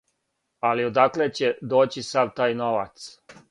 Али одакле ће доћи сав тај новац?